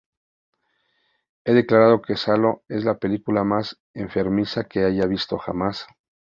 Ha declarado que "Saló" es la película más enfermiza que haya visto jamás.